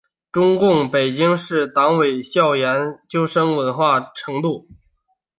中共北京市委党校研究生文化程度。